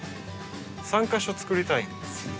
３か所作りたいんです。